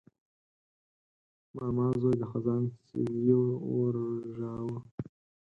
ماما زوی د خزان سیلیو ورژاوه.